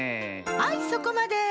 はいそこまで！